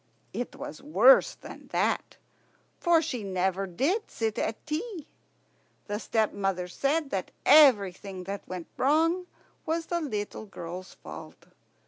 It was worse than that, for she never did sit at tea. The stepmother said that everything that went wrong was the little girl's fault.